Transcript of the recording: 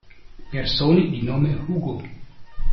Persone di nome Hugo